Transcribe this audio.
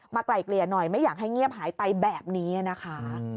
ไกลเกลี่ยหน่อยไม่อยากให้เงียบหายไปแบบนี้นะคะ